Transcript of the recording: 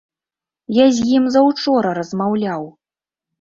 Я з ім заўчора размаўляў.